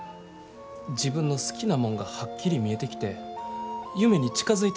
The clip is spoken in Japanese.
自分の好きなもんがはっきり見えてきて夢に近づいてる気ぃするんや。